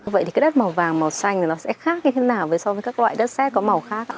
vậy thì cái đất màu vàng màu xanh này nó sẽ khác như thế nào với so với các loại đất xét có màu khác